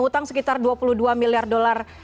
utang sekitar dua puluh dua miliar dolar